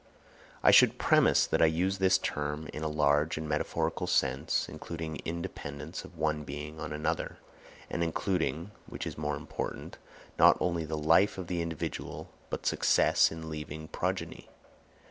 _ I should premise that I use this term in a large and metaphorical sense, including dependence of one being on another, and including (which is more important) not only the life of the individual, but success in leaving progeny.